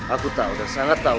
aku tahu dan sangat tahu